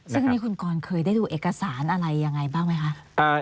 ซึ่งนี่คุณกรเคยได้ดูเอกสารอะไรยังไงบ้างไหมคะ